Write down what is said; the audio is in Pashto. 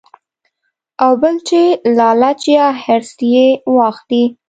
او بل چې لالچ يا حرص ئې واخلي -